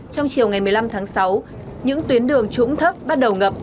trong chiều ngày một mươi năm tháng sáu những tuyến đường trũng thấp bắt đầu ngập